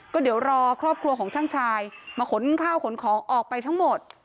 ก็เดี๋ยวรอครอบครัวของช่างชายมาขนข้าวขนของออกไปทั้งหมด